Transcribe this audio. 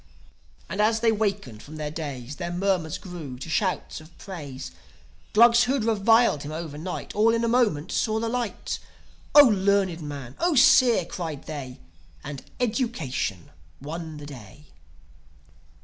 And, as they wakened from their daze, Their murmurs grew to shouts of praise. Glugs who'd reviled him overnight All in a moment saw the light. "O learned man! 0 seer!" cried they. ... And education won the day.